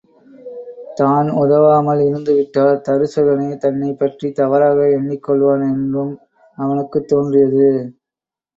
தான் உதவாமல் இருந்துவிட்டால், தருசகனே தன்னைப் பற்றித் தவறாக எண்ணிக் கொள்வான் என்றும் அவனுக்குத் தோன்றியது.